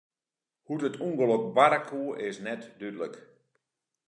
Hoe't it ûngelok barre koe, is net dúdlik.